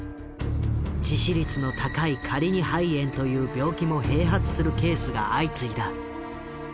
致死率の高いカリニ肺炎という病気も併発するケースが相次いだ。